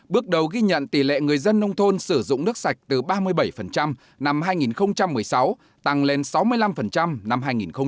bước đầu ghi nhận tỷ lệ người dân nông thôn sử dụng nước sạch từ ba mươi bảy năm hai nghìn một mươi sáu tăng lên sáu mươi năm năm hai nghìn một mươi bảy